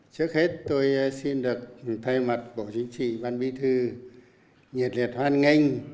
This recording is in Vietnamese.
trước hết tôi xin được thay mặt bộ chính trị ban bí thư nhiệt liệt hoan nghênh